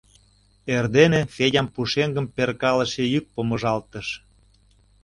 Эрдене Федям пушеҥгым перкалыше йӱк помыжалтыш.